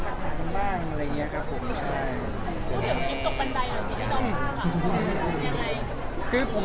ชัตถากันบ้างอะไรเนี่ยครับผม